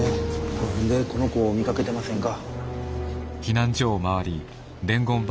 この辺でこの子見かけてませんか？